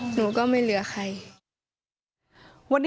หนูก็ไม่เหลือใคร